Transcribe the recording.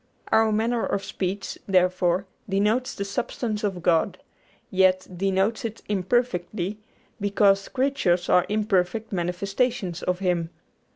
Our manner of speech, therefore, denotes the substance of God, yet denotes it imperfectly, because creatures are imperfect manifestations of Him.